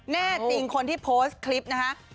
แน่จริงคนที่โพสต์คลิปนะคะ